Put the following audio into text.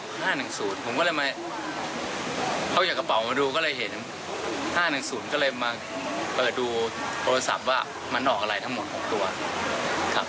ผมก็เลยมาเขาหยิบกระเป๋ามาดูก็เลยเห็น๕๑๐ก็เลยมาเปิดดูโทรศัพท์ว่ามันออกอะไรทั้งหมด๖ตัวครับ